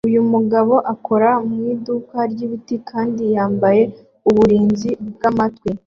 Uyu mugabo akora mu iduka ryibiti kandi yambaye uburinzi bwamatwi